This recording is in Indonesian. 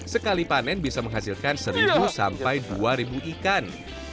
sekali panen bisa menghasilkan seribu sampai dua ribu ikan